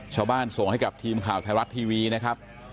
ส่งให้กับทีมข่าวไทยรัฐทีวีนะครับ